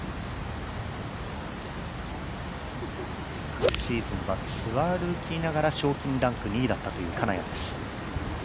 昨シーズンはツアールーキーながら賞金ランク２位だった金谷です。